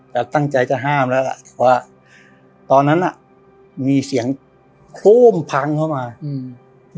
แต่ตั้งใจจะห้ามแล้วล่ะว่าตอนนั้นอ่ะมีเสียงโครมพังเข้ามาอืม